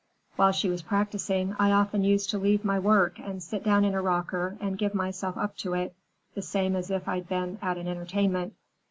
While she was practicing I often used to leave my work and sit down in a rocker and give myself up to it, the same as if I'd been at an entertainment.